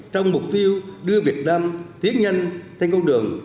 trong mục tiêu đưa việt nam tiến nhanh thành công đường